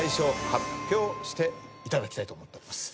発表していただきたいと思っております。